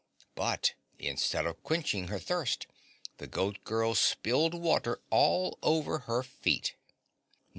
But instead of quenching her thirst, the Goat Girl spilled water all over her feet.